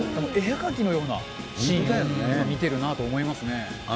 絵はがきのようなシーンを見ているなと思いますね。